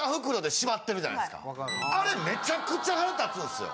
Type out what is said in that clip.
あれめちゃくちゃ腹立つんすよ。